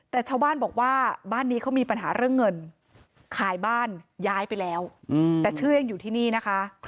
แต่ชาวบ้านบอกว่าบ้านนี้เขามีปัญหาเรื่องเงินขายบ้านย้ายไปแล้วแต่ชื่อยังอยู่ที่นี่นะคะ